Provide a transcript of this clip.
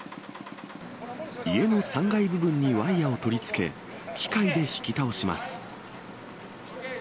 家の３階部分にワイヤーを取り付け、機械で引き倒します。